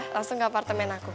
langsung ke apartemen aku